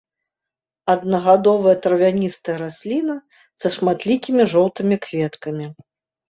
Аднагадовая травяністая расліна са шматлікімі жоўтымі кветкамі.